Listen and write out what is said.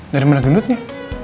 dari mana gendutnya